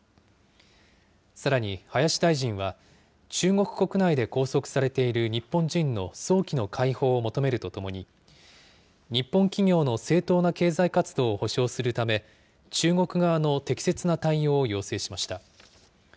さらに林大臣は、中国国内で拘束されている日本人の早期の解放を求めるとともに、日本企業の正当な経済活動を保障するため、中国側の適切な対応を要請しました。